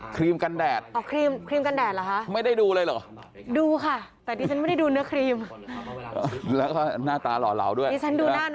ดีฉันดูหน้าน้องอย่างเดียวเลยค่ะ